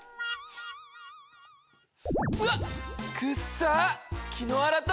うわっ！